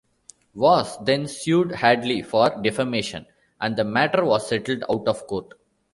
Voss then sued Hadley for defamation, and the matter was settled out of court.